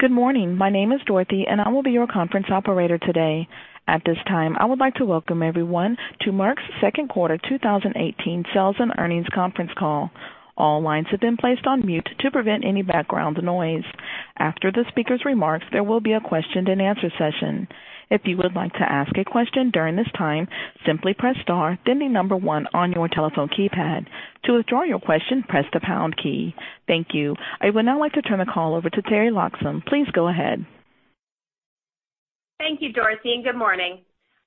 Good morning. My name is Dorothy, and I will be your conference operator today. At this time, I would like to welcome everyone to Merck's second quarter 2018 sales and earnings conference call. All lines have been placed on mute to prevent any background noise. After the speaker's remarks, there will be a question and answer session. If you would like to ask a question during this time, simply press star, then the number one on your telephone keypad. To withdraw your question, press the pound key. Thank you. I would now like to turn the call over to Teri Loxam. Please go ahead. Thank you, Dorothy, and good morning.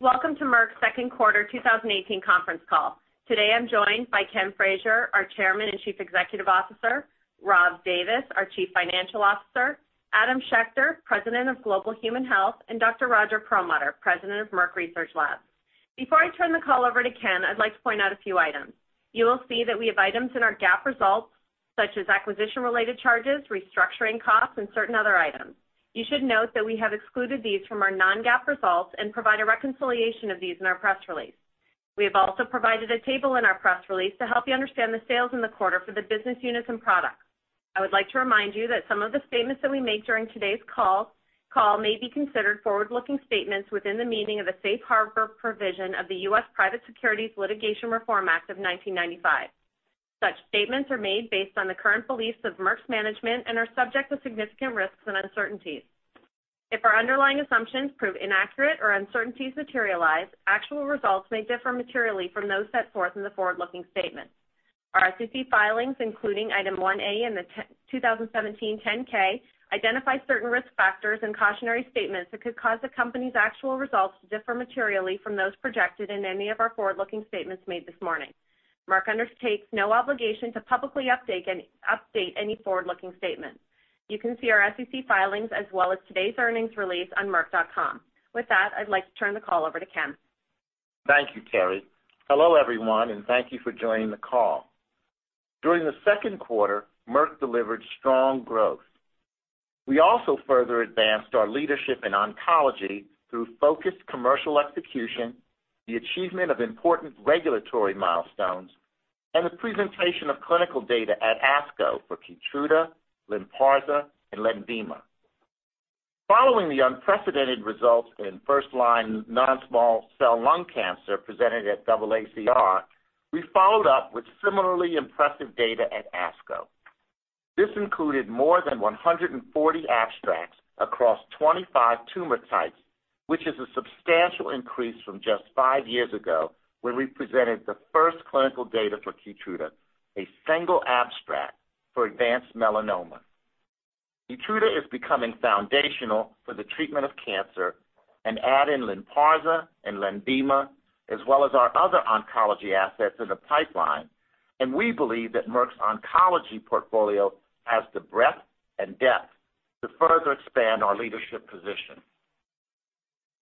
Welcome to Merck's second quarter 2018 conference call. Today I'm joined by Ken Frazier, our Chairman and Chief Executive Officer, Rob Davis, our Chief Financial Officer, Adam Schechter, President of Global Human Health, and Dr. Roger Perlmutter, President of Merck Research Labs. Before I turn the call over to Ken, I'd like to point out a few items. You will see that we have items in our GAAP results such as acquisition-related charges, restructuring costs, and certain other items. You should note that we have excluded these from our non-GAAP results and provide a reconciliation of these in our press release. We have also provided a table in our press release to help you understand the sales in the quarter for the business units and products. I would like to remind you that some of the statements that we make during today's call may be considered forward-looking statements within the meaning of the Safe Harbor provision of the U.S. Private Securities Litigation Reform Act of 1995. Such statements are made based on the current beliefs of Merck's management and are subject to significant risks and uncertainties. If our underlying assumptions prove inaccurate or uncertainties materialize, actual results may differ materially from those set forth in the forward-looking statements. Our SEC filings, including Item 1A in the 2017 10-K, identify certain risk factors and cautionary statements that could cause the company's actual results to differ materially from those projected in any of our forward-looking statements made this morning. Merck undertakes no obligation to publicly update any forward-looking statement. You can see our SEC filings as well as today's earnings release on merck.com. With that, I'd like to turn the call over to Ken. Thank you, Teri. Hello, everyone, and thank you for joining the call. During the second quarter, Merck delivered strong growth. We also further advanced our leadership in oncology through focused commercial execution, the achievement of important regulatory milestones, and the presentation of clinical data at ASCO for KEYTRUDA, LYNPARZA, and LENVIMA. Following the unprecedented results in first-line non-small cell lung cancer presented at AACR, we followed up with similarly impressive data at ASCO. This included more than 140 abstracts across 25 tumor types, which is a substantial increase from just five years ago when we presented the first clinical data for KEYTRUDA, a single abstract for advanced melanoma. KEYTRUDA is becoming foundational for the treatment of cancer. Add in LYNPARZA and LENVIMA as well as our other oncology assets in the pipeline, and we believe that Merck's oncology portfolio has the breadth and depth to further expand our leadership position.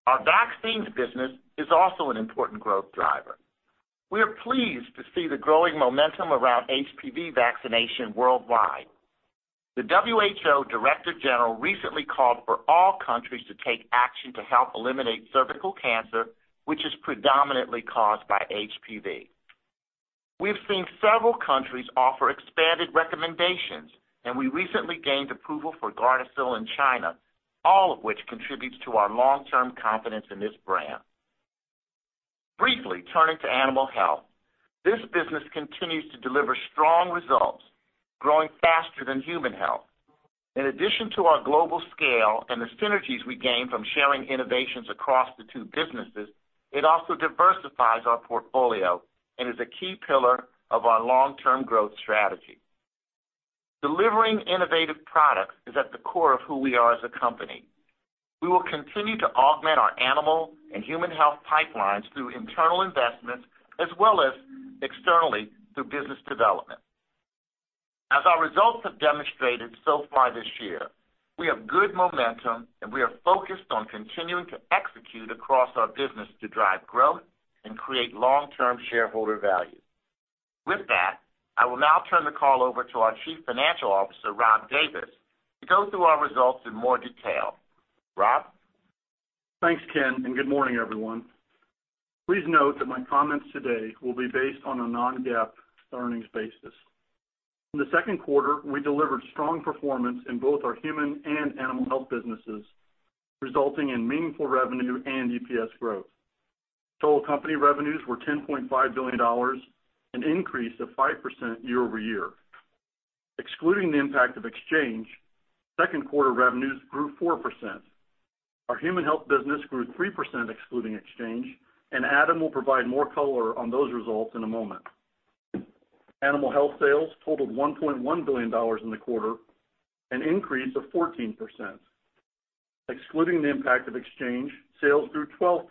Our vaccines business is also an important growth driver. We are pleased to see the growing momentum around HPV vaccination worldwide. The WHO Director General recently called for all countries to take action to help eliminate cervical cancer, which is predominantly caused by HPV. We recently gained approval for GARDASIL in China, all of which contributes to our long-term confidence in this brand. Briefly turning to Animal Health, this business continues to deliver strong results, growing faster than human health. In addition to our global scale and the synergies we gain from sharing innovations across the two businesses, it also diversifies our portfolio and is a key pillar of our long-term growth strategy. Delivering innovative products is at the core of who we are as a company. We will continue to augment our Animal and Human Health pipelines through internal investments as well as externally through business development. As our results have demonstrated so far this year, we have good momentum, and we are focused on continuing to execute across our business to drive growth and create long-term shareholder value. With that, I will now turn the call over to our Chief Financial Officer, Rob Davis, to go through our results in more detail. Rob? Thanks, Ken. Good morning, everyone. Please note that my comments today will be based on a non-GAAP earnings basis. In the second quarter, we delivered strong performance in both our human and Animal Health businesses, resulting in meaningful revenue and EPS growth. Total company revenues were $10.5 billion, an increase of 5% year-over-year. Excluding the impact of exchange, second-quarter revenues grew 4%. Our human health business grew 3% excluding exchange. Adam will provide more color on those results in a moment. Animal Health sales totaled $1.1 billion in the quarter, an increase of 14%. Excluding the impact of exchange, sales grew 12%,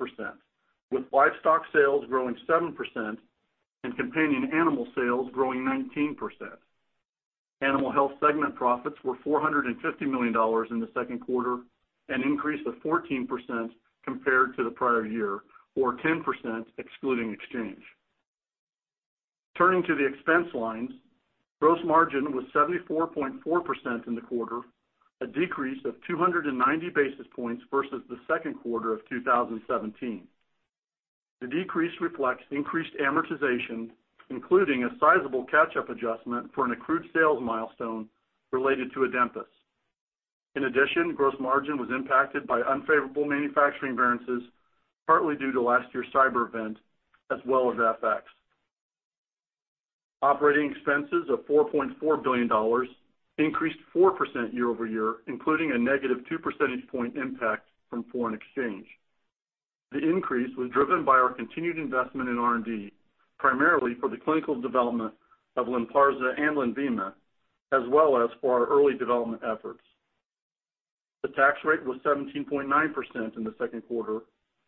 with livestock sales growing 7% and companion animal sales growing 19%. Animal Health segment profits were $450 million in the second quarter, an increase of 14% compared to the prior year, or 10% excluding exchange. Turning to the expense lines, gross margin was 74.4% in the quarter, a decrease of 290 basis points versus the second quarter of 2017. The decrease reflects increased amortization, including a sizable catch-up adjustment for an accrued sales milestone related to Adempas. In addition, gross margin was impacted by unfavorable manufacturing variances, partly due to last year's cyber event, as well as FX. Operating expenses of $4.4 billion increased 4% year-over-year, including a negative two percentage point impact from foreign exchange. The increase was driven by our continued investment in R&D, primarily for the clinical development of LYNPARZA and LENVIMA, as well as for our early development efforts. The tax rate was 17.9% in the second quarter,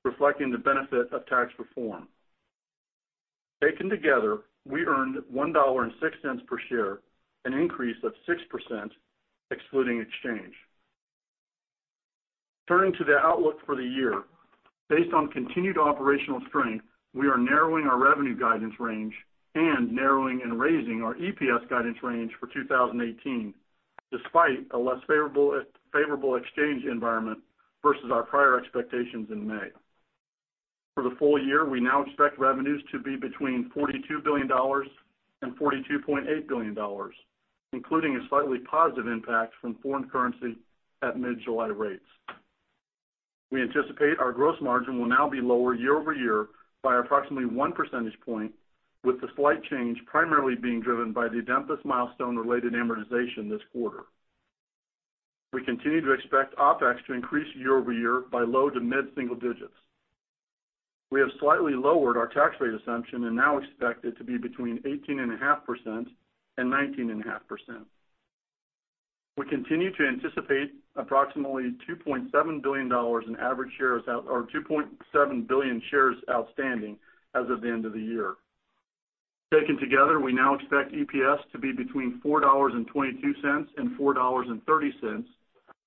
reflecting the benefit of tax reform. Taken together, we earned $1.06 per share, an increase of 6%, excluding exchange. Turning to the outlook for the year, based on continued operational strength, we are narrowing our revenue guidance range and narrowing and raising our EPS guidance range for 2018, despite a less favorable exchange environment versus our prior expectations in May. For the full year, we now expect revenues to be between $42 billion and $42.8 billion, including a slightly positive impact from foreign currency at mid-July rates. We anticipate our gross margin will now be lower year-over-year by approximately one percentage point, with the slight change primarily being driven by the Adempas milestone-related amortization this quarter. We continue to expect OpEx to increase year-over-year by low to mid-single digits. We have slightly lowered our tax rate assumption and now expect it to be between 18.5% and 19.5%. We continue to anticipate approximately $2.7 billion in average shares out, or 2.7 billion shares outstanding as of the end of the year. Taken together, we now expect EPS to be between $4.22 and $4.30,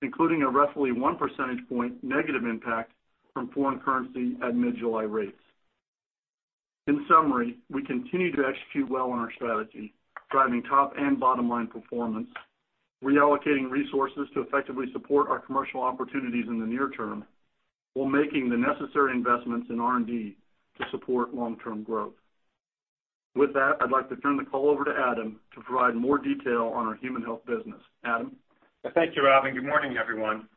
including a roughly one percentage point negative impact from foreign currency at mid-July rates. In summary, we continue to execute well on our strategy, driving top and bottom line performance, reallocating resources to effectively support our commercial opportunities in the near term, while making the necessary investments in R&D to support long-term growth. With that, I'd like to turn the call over to Adam to provide more detail on our Human Health business. Adam? Thank you, Rob, and good morning, everyone.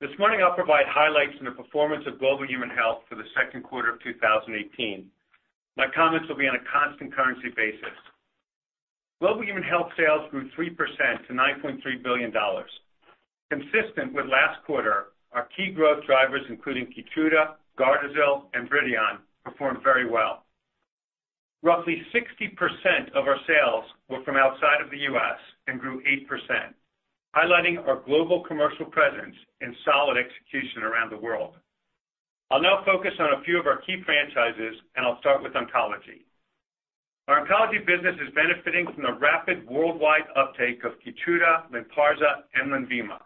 This morning I'll provide highlights on the performance of Global Human Health for the second quarter of 2018. My comments will be on a constant currency basis. Global Human Health sales grew 3% to $9.3 billion. Consistent with last quarter, our key growth drivers, including KEYTRUDA, GARDASIL, and BRIDION, performed very well. Roughly 60% of our sales were from outside of the U.S. and grew 8%, highlighting our global commercial presence and solid execution around the world. I'll now focus on a few of our key franchises, and I'll start with Oncology. Our Oncology business is benefiting from the rapid worldwide uptake of KEYTRUDA, LYNPARZA, and LENVIMA.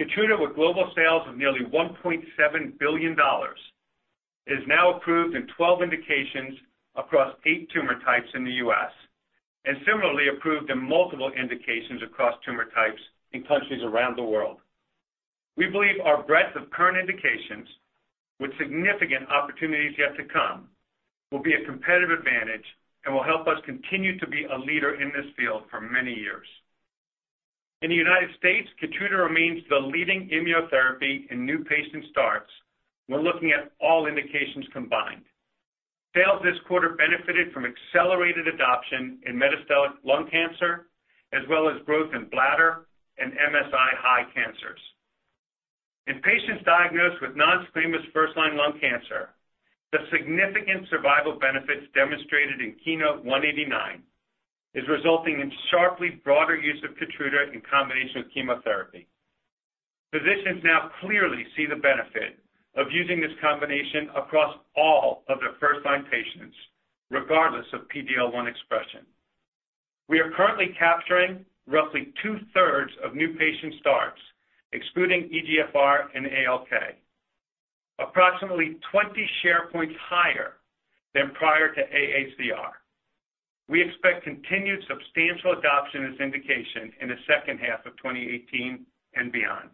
KEYTRUDA, with global sales of nearly $1.7 billion, is now approved in 12 indications across eight tumor types in the U.S., and similarly approved in multiple indications across tumor types in countries around the world. We believe our breadth of current indications, with significant opportunities yet to come, will be a competitive advantage and will help us continue to be a leader in this field for many years. In the U.S., KEYTRUDA remains the leading immunotherapy in new patient starts when looking at all indications combined. Sales this quarter benefited from accelerated adoption in metastatic lung cancer, as well as growth in bladder and MSI-H cancers. In patients diagnosed with non-squamous first-line lung cancer, the significant survival benefits demonstrated in KEYNOTE-189 is resulting in sharply broader use of KEYTRUDA in combination with chemotherapy. Physicians now clearly see the benefit of using this combination across all of their first-line patients, regardless of PD-L1 expression. We are currently capturing roughly two-thirds of new patient starts, excluding EGFR and ALK, approximately 20 share points higher than prior to AACR. We expect continued substantial adoption as indication in the second half of 2018 and beyond.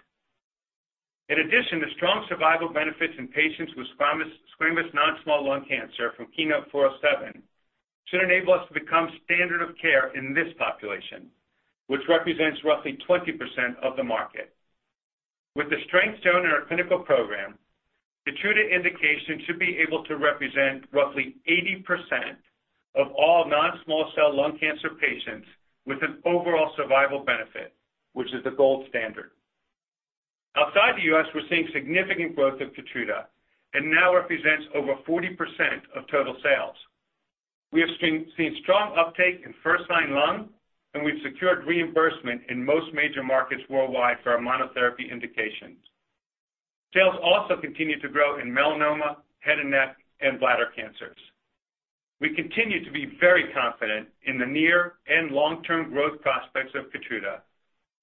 The strong survival benefits in patients with squamous non-small lung cancer from KEYNOTE-407 should enable us to become standard of care in this population, which represents roughly 20% of the market. With the strengths shown in our clinical program, KEYTRUDA indication should be able to represent roughly 80% of all non-small cell lung cancer patients with an overall survival benefit, which is the gold standard. Outside the U.S., we're seeing significant growth of KEYTRUDA and now represents over 40% of total sales. We have seen strong uptake in first-line lung, and we've secured reimbursement in most major markets worldwide for our monotherapy indications. Sales also continue to grow in melanoma, head and neck, and bladder cancers. We continue to be very confident in the near and long-term growth prospects of KEYTRUDA,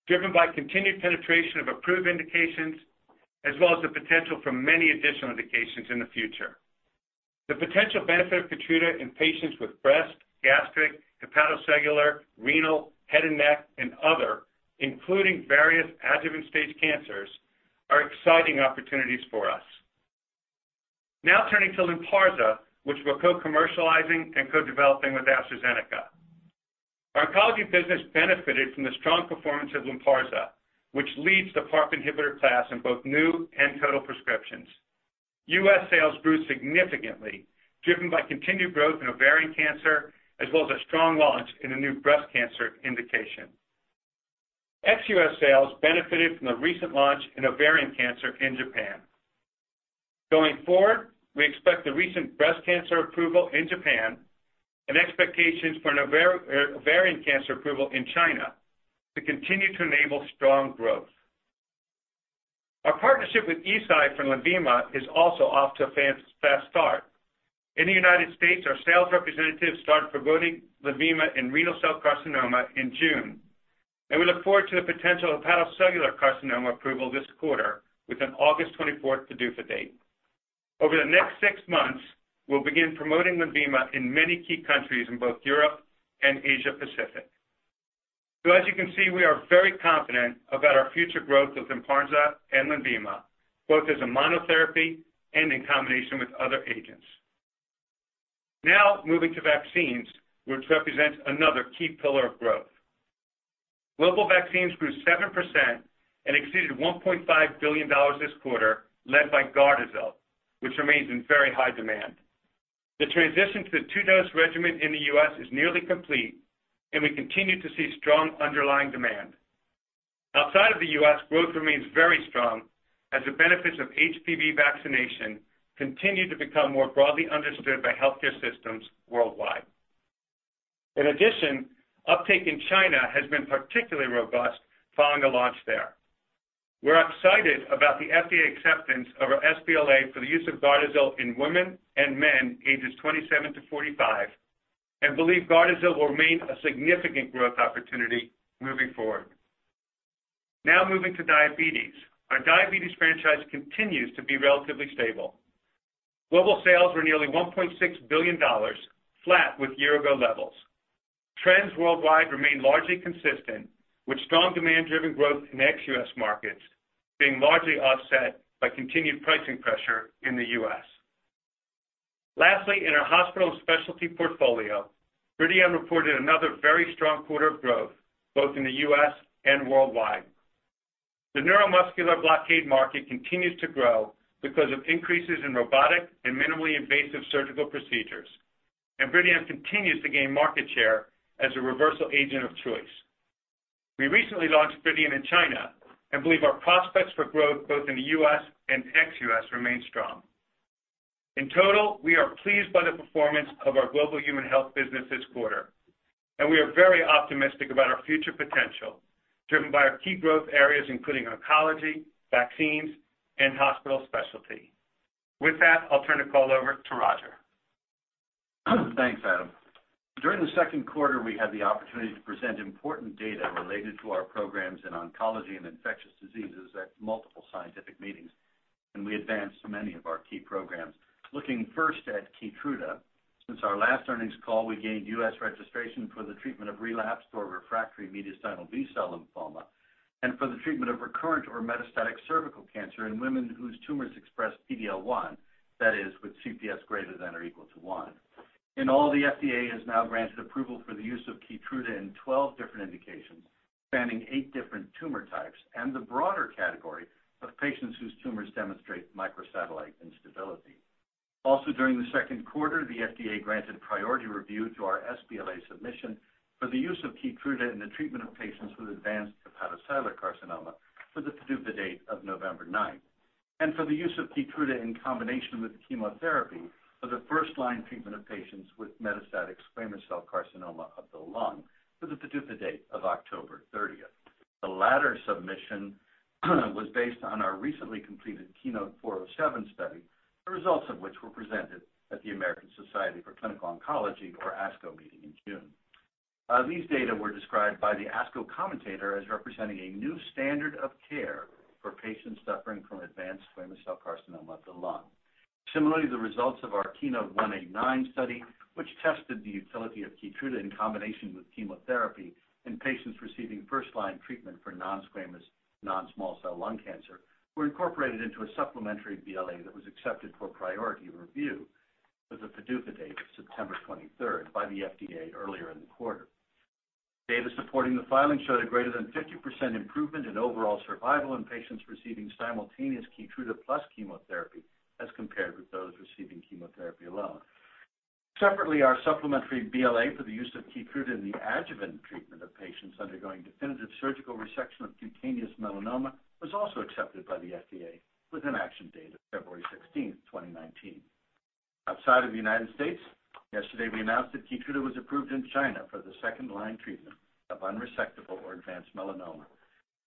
driven by continued penetration of approved indications, as well as the potential for many additional indications in the future. The potential benefit of KEYTRUDA in patients with breast, gastric, hepatocellular, renal, head and neck, and other Including various adjuvant stage cancers are exciting opportunities for us. Turning to LYNPARZA, which we're co-commercializing and co-developing with AstraZeneca. Our oncology business benefited from the strong performance of LYNPARZA, which leads the PARP inhibitor class in both new and total prescriptions. U.S. sales grew significantly, driven by continued growth in ovarian cancer, as well as a strong launch in a new breast cancer indication. Ex-U.S. sales benefited from the recent launch in ovarian cancer in Japan. We expect the recent breast cancer approval in Japan and expectations for an ovarian cancer approval in China to continue to enable strong growth. Our partnership with Eisai for LENVIMA is also off to a fast start. In the U.S., our sales representatives started promoting LENVIMA in renal cell carcinoma in June, and we look forward to the potential hepatocellular carcinoma approval this quarter with an August 24th PDUFA date. Over the next six months, we'll begin promoting LENVIMA in many key countries in both Europe and Asia-Pacific. As you can see, we are very confident about our future growth of LYNPARZA and LENVIMA, both as a monotherapy and in combination with other agents. Moving to vaccines, which represent another key pillar of growth. Global vaccines grew 7% and exceeded $1.5 billion this quarter, led by GARDASIL, which remains in very high demand. The transition to the two-dose regimen in the U.S. is nearly complete, and we continue to see strong underlying demand. Outside of the U.S., growth remains very strong as the benefits of HPV vaccination continue to become more broadly understood by healthcare systems worldwide. Uptake in China has been particularly robust following a launch there. We're excited about the FDA acceptance of our sBLA for the use of GARDASIL in women and men ages 27 to 45 and believe GARDASIL will remain a significant growth opportunity moving forward. Now moving to diabetes. Our diabetes franchise continues to be relatively stable. Global sales were nearly $1.6 billion, flat with year-ago levels. Trends worldwide remain largely consistent, with strong demand-driven growth in ex-U.S. markets being largely offset by continued pricing pressure in the U.S. Lastly, in our hospital specialty portfolio, BRIDION reported another very strong quarter of growth both in the U.S. and worldwide. The neuromuscular blockade market continues to grow because of increases in robotic and minimally invasive surgical procedures, and BRIDION continues to gain market share as a reversal agent of choice. We recently launched BRIDION in China and believe our prospects for growth both in the U.S. and ex-U.S. remain strong. In total, we are pleased by the performance of our Global Human Health business this quarter, and we are very optimistic about our future potential, driven by our key growth areas including oncology, vaccines, and hospital specialty. With that, I'll turn the call over to Roger. Thanks, Adam. During the second quarter, we had the opportunity to present important data related to our programs in oncology and infectious diseases at multiple scientific meetings. We advanced many of our key programs. Looking first at KEYTRUDA, since our last earnings call, we gained U.S. registration for the treatment of relapsed or refractory mediastinal B-cell lymphoma and for the treatment of recurrent or metastatic cervical cancer in women whose tumors express PD-L1, that is, with CPS greater than or equal to one. In all, the FDA has now granted approval for the use of KEYTRUDA in 12 different indications, spanning eight different tumor types and the broader category of patients whose tumors demonstrate microsatellite instability. Also during the second quarter, the FDA granted priority review to our sBLA submission for the use of KEYTRUDA in the treatment of patients with advanced hepatocellular carcinoma for the PDUFA date of November 9th, and for the use of KEYTRUDA in combination with chemotherapy for the first-line treatment of patients with metastatic squamous cell carcinoma of the lung for the PDUFA date of October 30th. The latter submission was based on our recently completed KEYNOTE-407 study, the results of which were presented at the American Society of Clinical Oncology, or ASCO, meeting in June. These data were described by the ASCO commentator as representing a new standard of care for patients suffering from advanced squamous cell carcinoma of the lung. Similarly, the results of our KEYNOTE-189 study, which tested the utility of KEYTRUDA in combination with chemotherapy in patients receiving first-line treatment for non-squamous, non-small cell lung cancer, were incorporated into a supplementary BLA that was accepted for priority review with a PDUFA date of September 23rd by the FDA earlier in the quarter. Data supporting the filing showed a greater than 50% improvement in overall survival in patients receiving simultaneous KEYTRUDA plus chemotherapy as compared with those receiving chemotherapy alone. Separately, our supplementary BLA for the use of KEYTRUDA in the adjuvant treatment of patients undergoing definitive surgical resection of cutaneous melanoma was also accepted by the FDA with an action date of February 16th, 2019. Outside of the U.S., yesterday we announced that KEYTRUDA was approved in China for the second-line treatment of unresectable or advanced melanoma,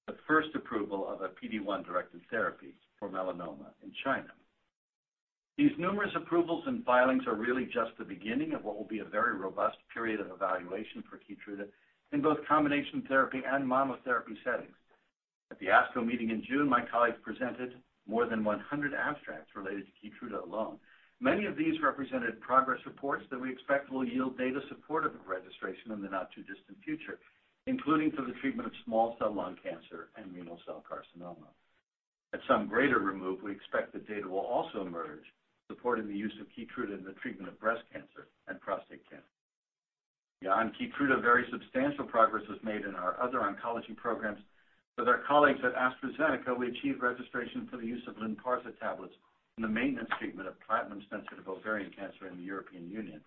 the first approval of a PD-1-directed therapy for melanoma in China. These numerous approvals and filings are really just the beginning of what will be a very robust period of evaluation for KEYTRUDA in both combination therapy and monotherapy settings. At the ASCO meeting in June, my colleagues presented more than 100 abstracts related to KEYTRUDA alone. Many of these represented progress reports that we expect will yield data supportive of registration in the not-too-distant future, including for the treatment of small cell lung cancer and renal cell carcinoma. At some greater remove, we expect the data will also emerge supporting the use of KEYTRUDA in the treatment of breast cancer and prostate cancer. Beyond KEYTRUDA, very substantial progress was made in our other oncology programs. With our colleagues at AstraZeneca, we achieved registration for the use of LYNPARZA tablets in the maintenance treatment of platinum-sensitive ovarian cancer in the European Union,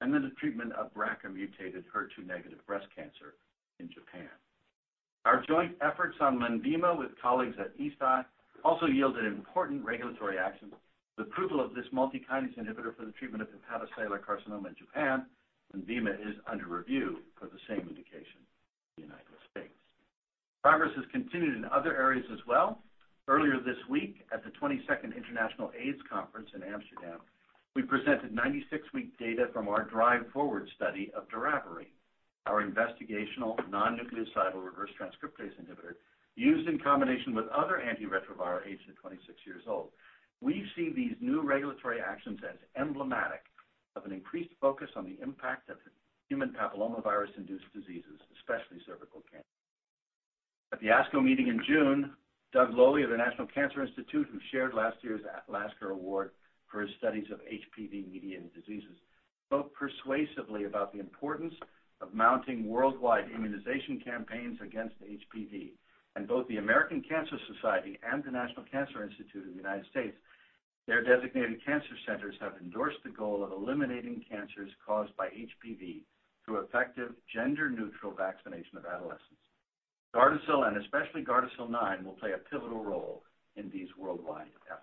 and in the treatment of BRCA-mutated, HER2-negative breast cancer in Japan. Our joint efforts on LENVIMA with colleagues at Eisai also yielded important regulatory actions with approval of this multi-kinase inhibitor for the treatment of hepatocellular carcinoma in Japan. LENVIMA is under review for the same indication in the U.S. Progress has continued in other areas as well. Earlier this week at the 22nd International AIDS Conference in Amsterdam, we presented 96-week data from our DRIVE-FORWARD study of doravirine, our investigational non-nucleoside reverse transcriptase inhibitor, used in combination with other antiretrovirals. We've seen these new regulatory actions as emblematic of an increased focus on the impact of human papillomavirus-induced diseases, especially cervical cancer. At the ASCO meeting in June, Doug Lowy of the National Cancer Institute, who shared last year's Lasker Award for his studies of HPV-mediated diseases, spoke persuasively about the importance of mounting worldwide immunization campaigns against HPV. Both the American Cancer Society and the National Cancer Institute of the U.S., their designated cancer centers have endorsed the goal of eliminating cancers caused by HPV through effective gender-neutral vaccination of adolescents. GARDASIL, and especially GARDASIL 9, will play a pivotal role in these worldwide efforts.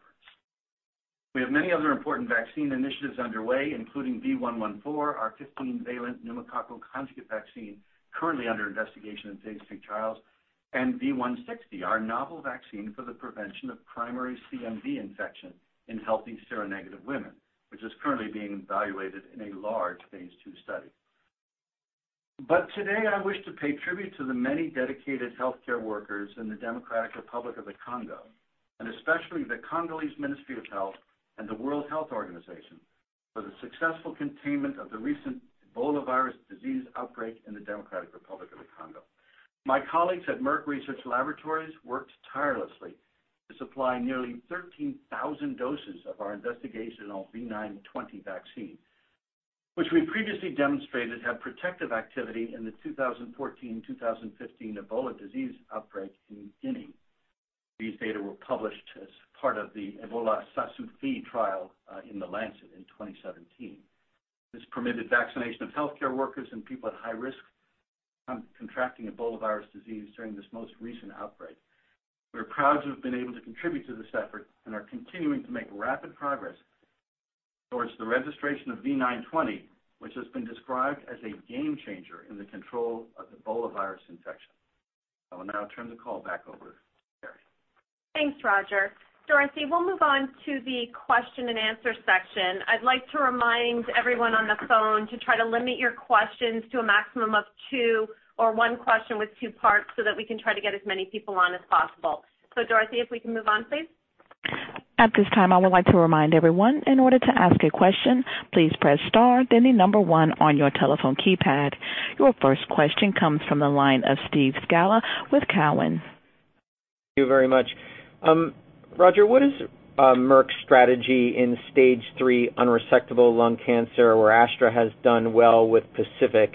We have many other important vaccine initiatives underway, including V114, our 15-valent pneumococcal conjugate vaccine currently under investigation in phase III trials, and V160, our novel vaccine for the prevention of primary CMV infection in healthy seronegative women, which is currently being evaluated in a large phase II study. Today, I wish to pay tribute to the many dedicated healthcare workers in the Democratic Republic of the Congo, and especially the Congolese Ministry of Health and the World Health Organization, for the successful containment of the recent Ebola virus disease outbreak in the Democratic Republic of the Congo. My colleagues at Merck Research Laboratories worked tirelessly to supply nearly 13,000 doses of our investigational V920 vaccine, which we previously demonstrated had protective activity in the 2014-2015 Ebola disease outbreak in Guinea. These data were published as part of the Ebola Ça Suffit trial in The Lancet in 2017. This permitted vaccination of healthcare workers and people at high risk of contracting Ebola virus disease during this most recent outbreak. We're proud to have been able to contribute to this effort and are continuing to make rapid progress towards the registration of V920, which has been described as a game changer in the control of Ebola virus infection. I will now turn the call back over to Teri. Thanks, Roger. Dorothy, we'll move on to the question and answer section. I'd like to remind everyone on the phone to try to limit your questions to a maximum of two, or one question with two parts, so that we can try to get as many people on as possible. Dorothy, if we can move on, please. At this time, I would like to remind everyone, in order to ask a question, please press star then the number one on your telephone keypad. Your first question comes from the line of Steve Scala with Cowen. Thank you very much. Roger, what is Merck's strategy in stage 3 unresectable lung cancer, where Astra has done well with PACIFIC?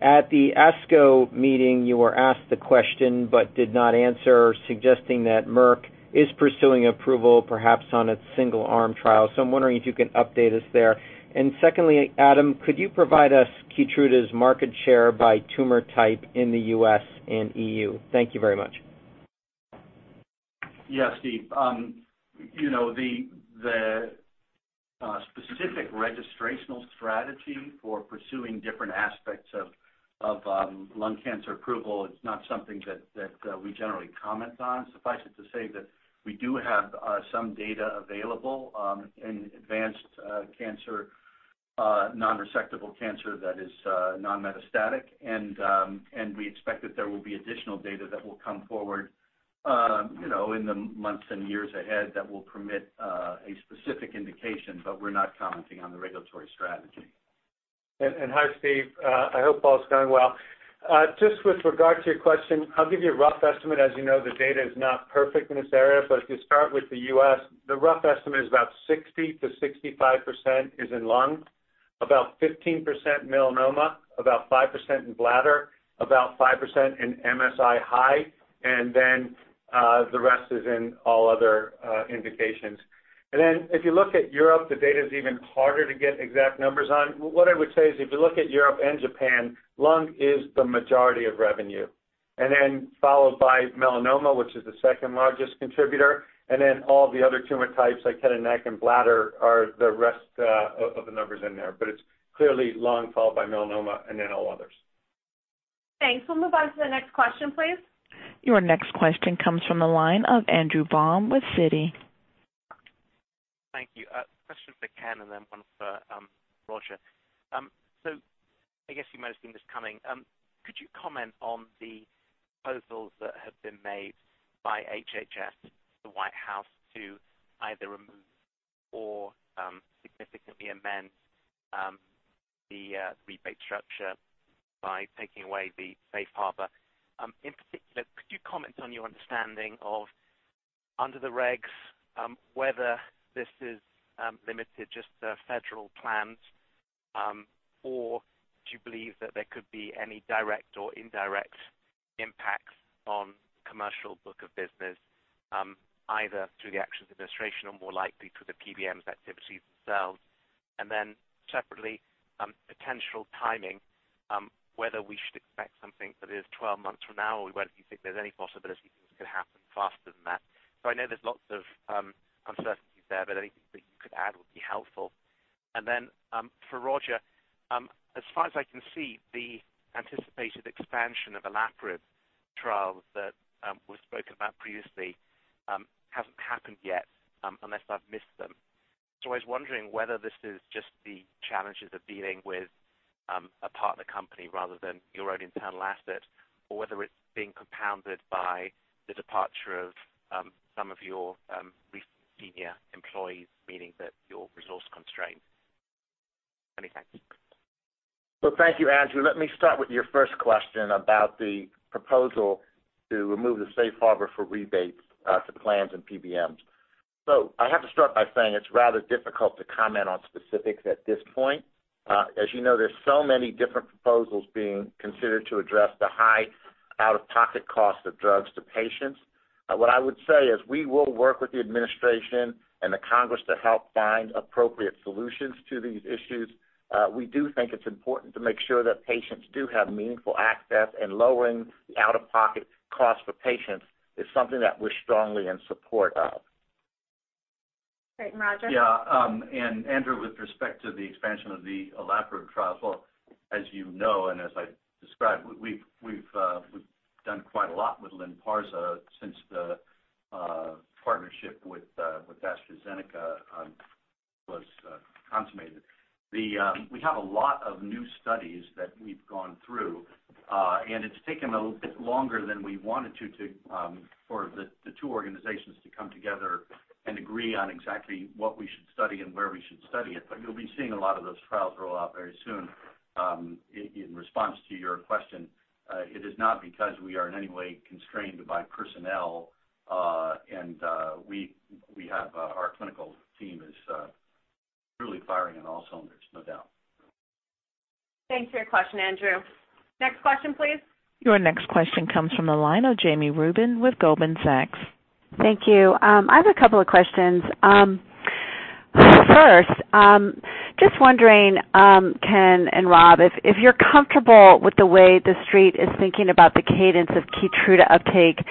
At the ASCO meeting, you were asked the question but did not answer, suggesting that Merck is pursuing approval perhaps on a single-arm trial. I'm wondering if you can update us there. Secondly, Adam, could you provide us KEYTRUDA's market share by tumor type in the U.S. and EU? Thank you very much. Yeah, Steve. The specific registrational strategy for pursuing different aspects of lung cancer approval is not something that we generally comment on. Suffice it to say that we do have some data available in advanced cancer, non-resectable cancer that is non-metastatic, and we expect that there will be additional data that will come forward in the months and years ahead that will permit a specific indication. We're not commenting on the regulatory strategy. Hi, Steve. I hope all's going well. Just with regard to your question, I'll give you a rough estimate. As you know, the data is not perfect in this area, but if you start with the U.S., the rough estimate is about 60%-65% is in lung, about 15% melanoma, about 5% in bladder, about 5% in MSI-H, then the rest is in all other indications. If you look at Europe, the data's even harder to get exact numbers on. What I would say is if you look at Europe and Japan, lung is the majority of revenue. Followed by melanoma, which is the second largest contributor, then all the other tumor types like head and neck and bladder are the rest of the numbers in there, but it's clearly lung followed by melanoma and then all others. Thanks. We'll move on to the next question, please. Your next question comes from the line of Andrew Baum with Citi. Thank you. A question for Ken and then one for Roger. I guess you might have seen this coming. Could you comment on the proposals that have been made by HHS, the White House, to either remove or significantly amend the rebate structure by taking away the safe harbor? In particular, could you comment on your understanding of, under the regs, whether this is limited just to federal plans, or do you believe that there could be any direct or indirect impacts on commercial book of business, either through the actions of administration or more likely through the PBMs' activities themselves? Separately, potential timing, whether we should expect something that is 12 months from now, or do you think there's any possibility things could happen faster than that? I know there's lots of uncertainties there, but anything that you could add would be helpful. For Roger, as far as I can see, the anticipated expansion of olaparib trials that was spoken about previously hasn't happened yet, unless I've missed them. I was wondering whether this is just the challenges of dealing with a partner company rather than your own internal asset, or whether it's being compounded by the departure of some of your recent senior employees, meaning that you're resource-constrained. Many thanks. Well, thank you, Andrew. Let me start with your first question about the proposal to remove the safe harbor for rebates to plans and PBMs. I have to start by saying it's rather difficult to comment on specifics at this point. As you know, there's so many different proposals being considered to address the high out-of-pocket cost of drugs to patients. What I would say is we will work with the administration and the Congress to help find appropriate solutions to these issues. We do think it's important to make sure that patients do have meaningful access, and lowering the out-of-pocket cost for patients is something that we're strongly in support of. Great. Roger? Yeah, Andrew, with respect to the expansion of the olaparib trials, well, as you know and as I described, we've done quite a lot with LYNPARZA since the partnership with AstraZeneca was consummated. We have a lot of new studies that we've gone through, it's taken a little bit longer than we wanted for the two organizations to come together and agree on exactly what we should study and where we should study it. You'll be seeing a lot of those trials roll out very soon. In response to your question, it is not because we are in any way constrained by personnel. Our clinical team is truly firing on all cylinders, no doubt. Thanks for your question, Andrew. Next question, please. Your next question comes from the line of Jami Rubin with Goldman Sachs. Thank you. I have a couple of questions. First, just wondering, Ken and Rob, if you're comfortable with the way the Street is thinking about the cadence of KEYTRUDA uptake,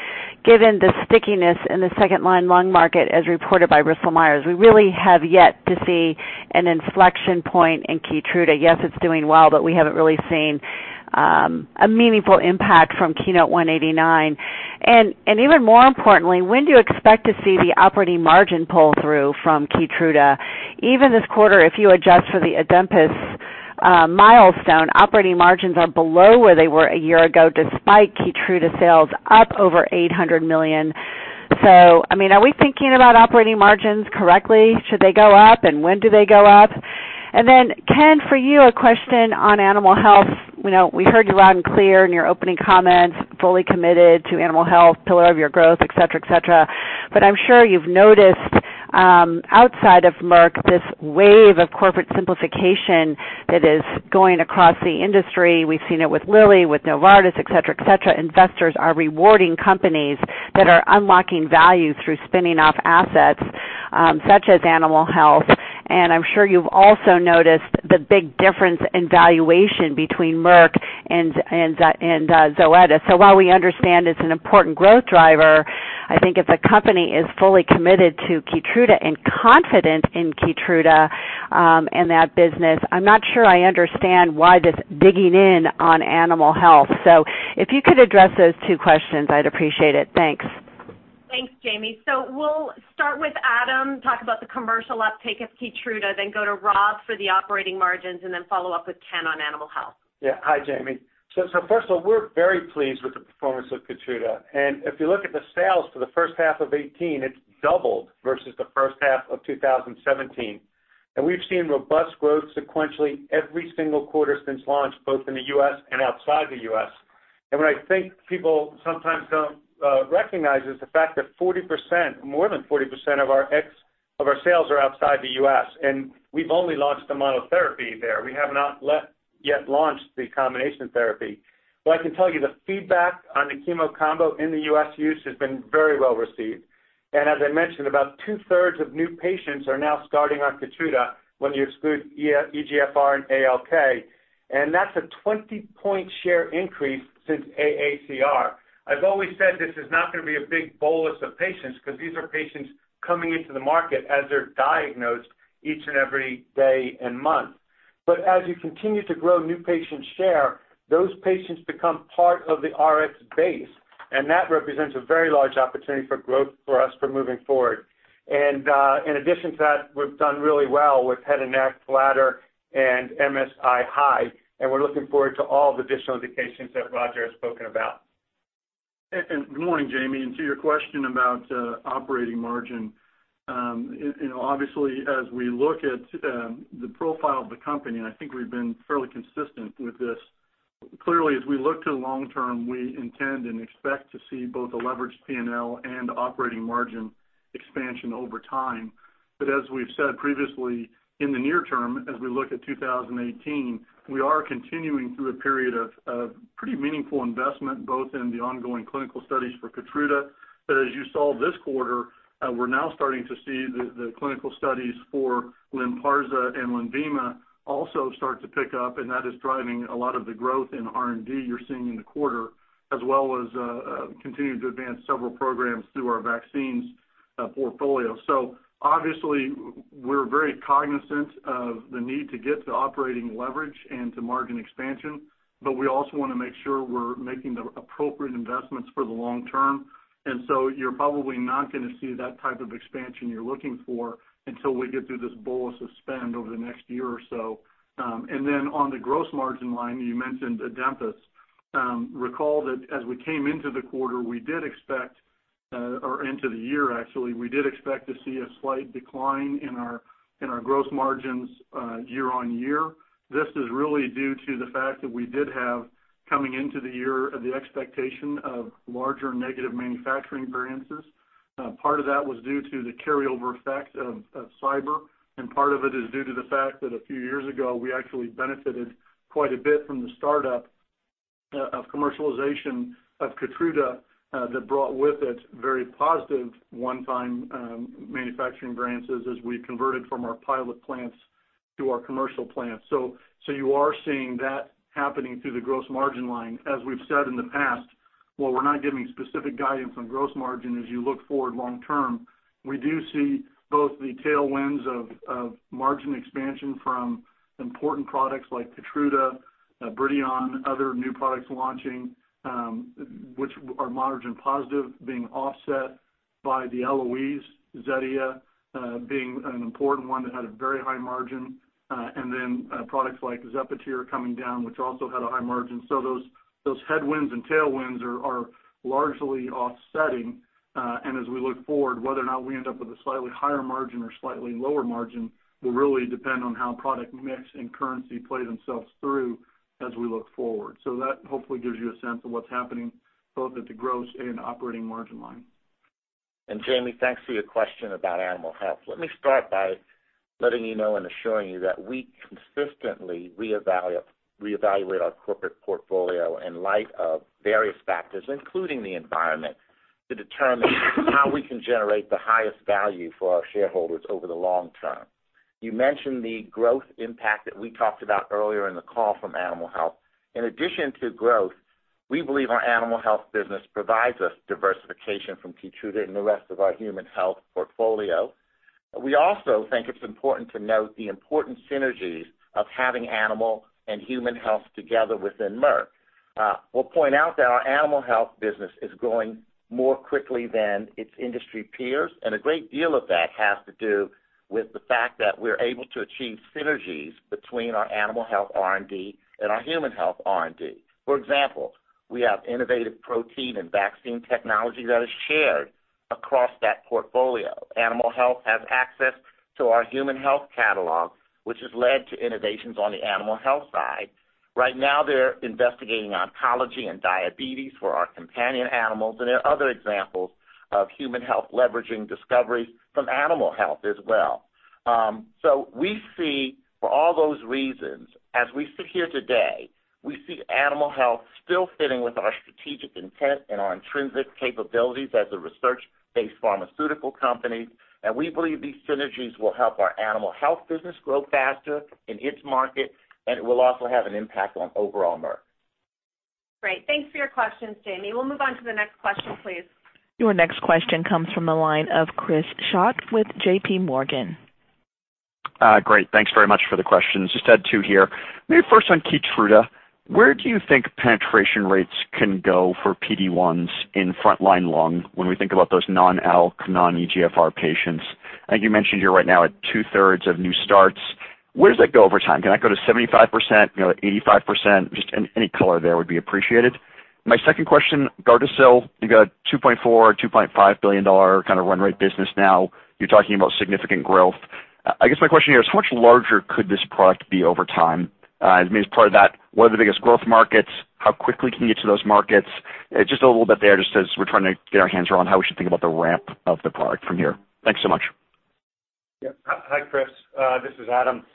given the stickiness in the second-line lung market as reported by Bristol-Myers. We really have yet to see an inflection point in KEYTRUDA. Yes, it's doing well, we haven't really seen a meaningful impact from KEYNOTE-189. Even more importantly, when do you expect to see the operating margin pull through from KEYTRUDA? Even this quarter, if you adjust for the Adempas milestone, operating margins are below where they were a year ago, despite KEYTRUDA sales up over $800 million. Are we thinking about operating margins correctly? Should they go up, and when do they go up? Ken, for you, a question on Animal Health. We heard you loud and clear in your opening comments, fully committed to Animal Health, pillar of your growth, et cetera. I'm sure you've noticed, outside of Merck, this wave of corporate simplification that is going across the industry. We've seen it with Lilly, with Novartis, et cetera. Investors are rewarding companies that are unlocking value through spinning off assets such as Animal Health. I'm sure you've also noticed the big difference in valuation between Merck and Zoetis. While we understand it's an important growth driver, I think if the company is fully committed to KEYTRUDA and confident in KEYTRUDA and that business, I'm not sure I understand why this digging in on Animal Health. If you could address those two questions, I'd appreciate it. Thanks. Thanks, Jami. We'll start with Adam, talk about the commercial uptake of KEYTRUDA, then go to Rob for the operating margins, and then follow up with Ken on Animal Health. Yeah. Hi, Jami. First of all, we're very pleased with the performance of KEYTRUDA. If you look at the sales for the first half of 2018, it's doubled versus the first half of 2017. We've seen robust growth sequentially every single quarter since launch, both in the U.S. and outside the U.S. What I think people sometimes don't recognize is the fact that more than 40% of our sales are outside the U.S., and we've only launched the monotherapy there. We have not yet launched the combination therapy. I can tell you the feedback on the chemo combo in the U.S. use has been very well received. As I mentioned, about two-thirds of new patients are now starting on KEYTRUDA when you exclude EGFR and ALK, and that's a 20-point share increase since AACR. I've always said this is not going to be a big bolus of patients because these are patients coming into the market as they're diagnosed each and every day and month. As you continue to grow new patient share, those patients become part of the Rx base, and that represents a very large opportunity for growth for us for moving forward. In addition to that, we've done really well with head and neck, bladder, and MSI-H, and we're looking forward to all the additional indications that Roger has spoken about. Good morning, Jami. To your question about operating margin, obviously, as we look at the profile of the company, and I think we've been fairly consistent with this, clearly as we look to the long term, we intend and expect to see both a leverage P&L and operating margin expansion over time. As we've said previously, in the near term, as we look at 2018, we are continuing through a period of pretty meaningful investment, both in the ongoing clinical studies for KEYTRUDA. As you saw this quarter, we're now starting to see the clinical studies for LYNPARZA and LENVIMA also start to pick up, and that is driving a lot of the growth in R&D you're seeing in the quarter, as well as continuing to advance several programs through our vaccines portfolio. Obviously, we're very cognizant of the need to get to operating leverage and to margin expansion, we also want to make sure we're making the appropriate investments for the long term. You're probably not going to see that type of expansion you're looking for until we get through this bolus of spend over the next year or so. On the gross margin line, you mentioned Adempas. Recall that as we came into the quarter, or into the year actually, we did expect to see a slight decline in our gross margins year-on-year. This is really due to the fact that we did have, coming into the year, the expectation of larger negative manufacturing variances. Part of that was due to the carryover effect of cyber, and part of it is due to the fact that a few years ago, we actually benefited quite a bit from the startup of commercialization of KEYTRUDA that brought with it very positive one-time manufacturing variances as we converted from our pilot plants to our commercial plants. You are seeing that happening through the gross margin line. As we've said in the past, while we're not giving specific guidance on gross margin as you look forward long term, we do see both the tailwinds of margin expansion from important products like KEYTRUDA, BRIDION, other new products launching, which are margin positive, being offset by the LOE, Zetia being an important one that had a very high margin, and then products like ZEPATIER coming down, which also had a high margin. Those headwinds and tailwinds are largely offsetting. As we look forward, whether or not we end up with a slightly higher margin or slightly lower margin will really depend on how product mix and currency play themselves through as we look forward. That hopefully gives you a sense of what's happening both at the gross and operating margin line. Jami, thanks for your question about Animal Health. Let me start by letting you know and assuring you that we consistently reevaluate our corporate portfolio in light of various factors, including the environment, to determine how we can generate the highest value for our shareholders over the long term. You mentioned the growth impact that we talked about earlier in the call from Animal Health. In addition to growth, we believe our Animal Health business provides us diversification from KEYTRUDA and the rest of our human health portfolio. We also think it's important to note the important synergies of having animal and human health together within Merck. We'll point out that our Animal Health business is growing more quickly than its industry peers, a great deal of that has to do with the fact that we're able to achieve synergies between our Animal Health R&D and our human health R&D. For example, we have innovative protein and vaccine technology that is shared across that portfolio. Animal Health has access to our human health catalog, which has led to innovations on the Animal Health side. Right now, they're investigating oncology and diabetes for our companion animals, and there are other examples of human health leveraging discoveries from Animal Health as well. We see for all those reasons, as we sit here today, we see Animal Health still fitting with our strategic intent and our intrinsic capabilities as a research-based pharmaceutical company. We believe these synergies will help our Animal Health business grow faster in its market, and it will also have an impact on overall Merck. Great. Thanks for your questions, Jami. We'll move on to the next question, please. Your next question comes from the line of Chris Schott with JPMorgan. Great. Thanks very much for the questions. Just had two here. Maybe first on KEYTRUDA, where do you think penetration rates can go for PD-1s in frontline lung when we think about those non-ALK, non-EGFR patients? I think you mentioned you're right now at two-thirds of new starts. Where does that go over time? Can that go to 75%-85%? Just any color there would be appreciated. My second question, GARDASIL, you got a $2.4 billion-$2.5 billion kind of run rate business now. You're talking about significant growth. I guess my question here is, how much larger could this product be over time? Maybe as part of that, what are the biggest growth markets? How quickly can you get to those markets? Just a little bit there, just as we're trying to get our hands around how we should think about the ramp of the product from here. Thanks so much. Hi, Chris. This is Adam.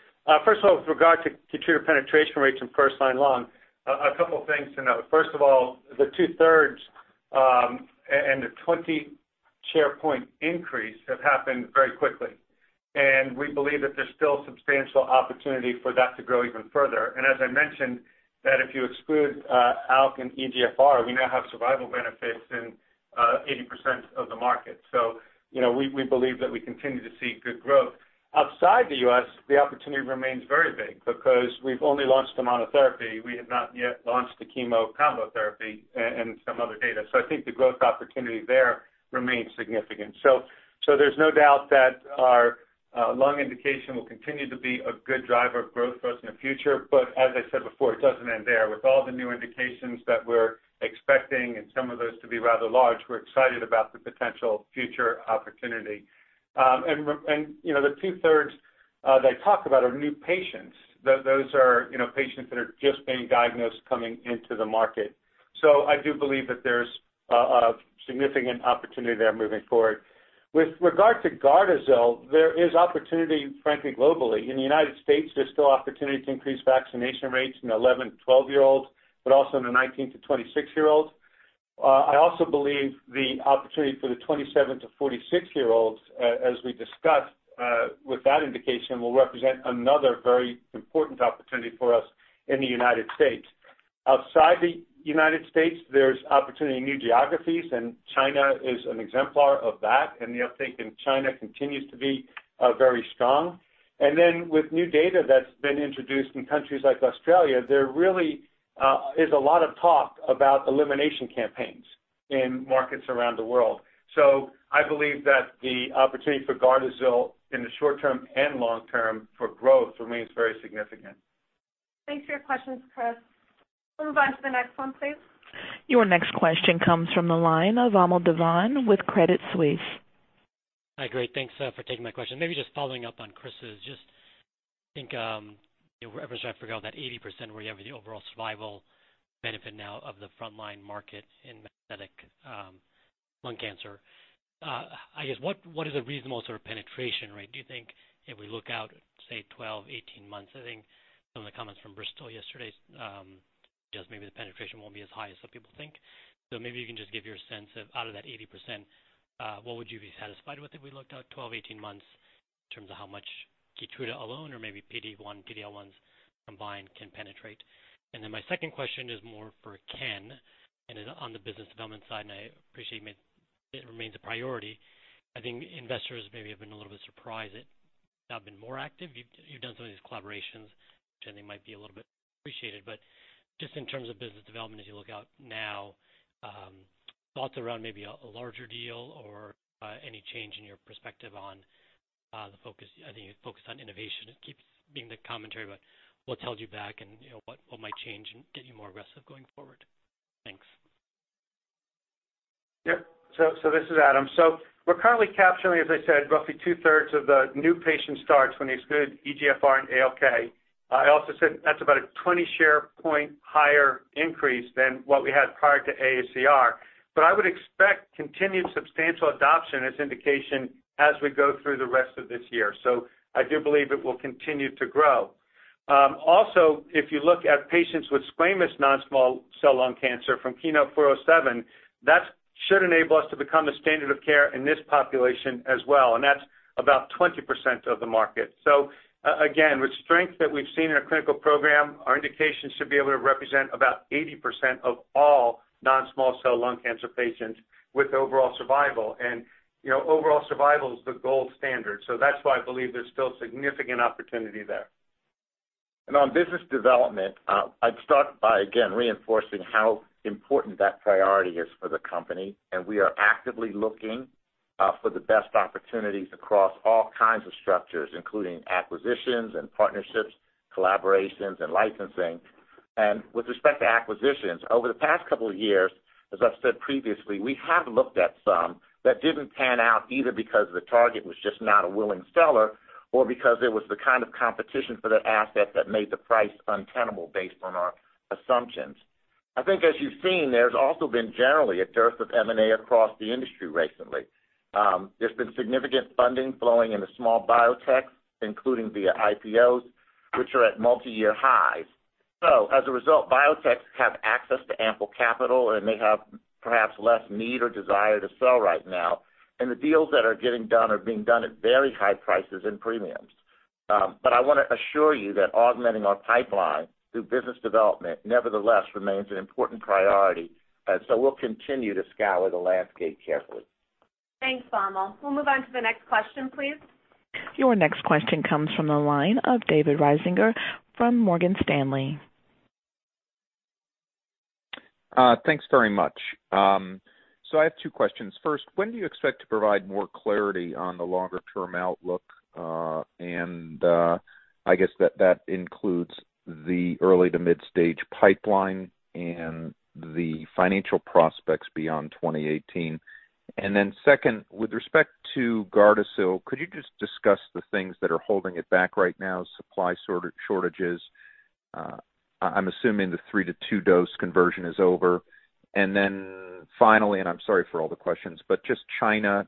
First of all, with regard to KEYTRUDA penetration rates in first-line lung, a couple of things to note. First of all, the two-thirds a 20 share point increase have happened very quickly, and we believe that there's still substantial opportunity for that to grow even further. As I mentioned, that if you exclude ALK and EGFR, we now have survival benefits in 80% of the market. We believe that we continue to see good growth. Outside the U.S., the opportunity remains very big because we've only launched the monotherapy. We have not yet launched the chemo combo therapy and some other data. I think the growth opportunity there remains significant. There's no doubt that our lung indication will continue to be a good driver of growth for us in the future. As I said before, it doesn't end there. With all the new indications that we're expecting, and some of those to be rather large, we're excited about the potential future opportunity. The two-thirds they talk about are new patients. Those are patients that are just being diagnosed coming into the market. I do believe that there's a significant opportunity there moving forward. With regard to GARDASIL, there is opportunity, frankly, globally. In the United States, there's still opportunity to increase vaccination rates in 11 to 12-year-olds, but also in the 19 to 26-year-olds. I also believe the opportunity for the 27 to 46-year-olds, as we discussed with that indication, will represent another very important opportunity for us in the United States. Outside the United States, there's opportunity in new geographies, and China is an exemplar of that. The uptake in China continues to be very strong. With new data that's been introduced in countries like Australia, there really is a lot of talk about elimination campaigns in markets around the world. I believe that the opportunity for GARDASIL in the short term and long term for growth remains very significant. Thanks for your questions, Chris. We'll move on to the next one, please. Your next question comes from the line of Vamil Divan with Credit Suisse. Hi. Great. Thanks for taking my question. Maybe just following up on Chris's, just think, wherever I forgot that 80% where you have the overall survival benefit now of the frontline market in metastatic lung cancer. I guess what is a reasonable sort of penetration rate, do you think, if we look out, say, 12, 18 months? I think some of the comments from Bristol yesterday, just maybe the penetration won't be as high as some people think. Maybe you can just give your sense of out of that 80%, what would you be satisfied with if we looked out 12, 18 months in terms of how much KEYTRUDA alone or maybe PD-1, PD-L1s combined can penetrate? My second question is more for Ken and is on the business development side, and I appreciate it remains a priority. I think investors maybe have been a little bit surprised that you've not been more active. You've done some of these collaborations, which I think might be a little bit appreciated, but just in terms of business development, as you look out now, thoughts around maybe a larger deal or any change in your perspective on the focus? I think you focused on innovation. It keeps being the commentary about what's held you back and what might change and get you more aggressive going forward. Thanks. Yep. This is Adam. We're currently capturing, as I said, roughly two-thirds of the new patient starts when you exclude EGFR and ALK. I also said that's about a 20 share point higher increase than what we had prior to AACR. I would expect continued substantial adoption as indication as we go through the rest of this year. I do believe it will continue to grow. Also, if you look at patients with squamous non-small cell lung cancer from KEYNOTE-407, that should enable us to become a standard of care in this population as well, and that's about 20% of the market. Again, with strength that we've seen in our clinical program, our indications should be able to represent about 80% of all non-small cell lung cancer patients with overall survival. Overall survival is the gold standard. That's why I believe there's still significant opportunity there. On business development, I'd start by again reinforcing how important that priority is for the company. We are actively looking for the best opportunities across all kinds of structures, including acquisitions and partnerships, collaborations, and licensing. With respect to acquisitions, over the past couple of years, as I've said previously, we have looked at some that didn't pan out either because the target was just not a willing seller or because there was the kind of competition for that asset that made the price untenable based on our assumptions. I think as you've seen, there's also been generally a dearth of M&A across the industry recently. There's been significant funding flowing into small biotech, including via IPO, which are at multi-year highs. As a result, biotechs have access to ample capital, and they have perhaps less need or desire to sell right now. The deals that are getting done are being done at very high prices and premiums. I want to assure you that augmenting our pipeline through business development nevertheless remains an important priority. We'll continue to scour the landscape carefully. Thanks, Vamil. We'll move on to the next question, please. Your next question comes from the line of David Risinger from Morgan Stanley. Thanks very much. I have two questions. First, when do you expect to provide more clarity on the longer-term outlook? I guess that includes the early to mid-stage pipeline and the financial prospects beyond 2018. Second, with respect to GARDASIL, could you just discuss the things that are holding it back right now, supply shortages? I'm assuming the 3 to 2 dose conversion is over. Finally, I'm sorry for all the questions, but just China,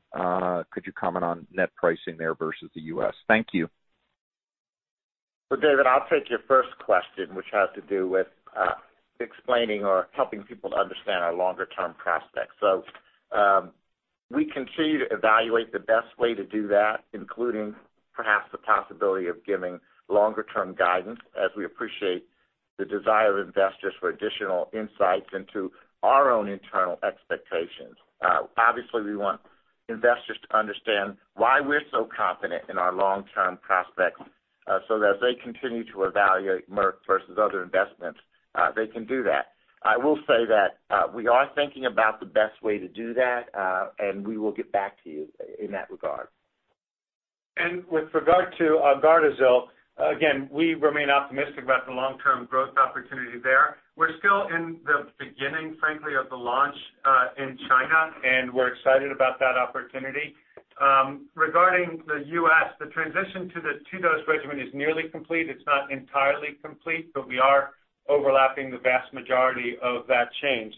could you comment on net pricing there versus the U.S.? Thank you. Well, David, I'll take your first question, which has to do with explaining or helping people to understand our longer-term prospects. We continue to evaluate the best way to do that, including perhaps the possibility of giving longer-term guidance as we appreciate the desire of investors for additional insights into our own internal expectations. Obviously, we want investors to understand why we're so confident in our long-term prospects so that as they continue to evaluate Merck versus other investments, they can do that. I will say that we are thinking about the best way to do that. We will get back to you in that regard. With regard to GARDASIL, again, we remain optimistic about the long-term growth opportunity there. We're still in the beginning, frankly, of the launch in China. We're excited about that opportunity. Regarding the U.S., the transition to the 2-dose regimen is nearly complete. It's not entirely complete, but we are overlapping the vast majority of that change.